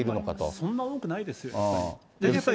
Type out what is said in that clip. そんな多くないですよ、やっぱり。